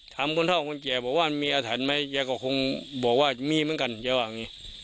ถามคนเท่าคนเจ้าบอกว่ามีอาถรรพ์ไหมเจ้าก็คงบอกว่ามีเหมือนกันจะว่าอย่างงี้